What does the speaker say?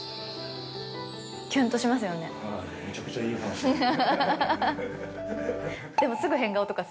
はいめちゃくちゃいい話で。